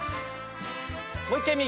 もう一回右。